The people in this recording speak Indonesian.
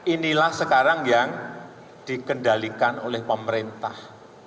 inilah sekarang yang dikendalikan oleh pemerintah